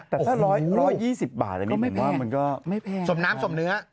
แต่ถ้า๑๒๐บาทอันนี้ผมว่ามันก็สมน้ำสมเนื้อ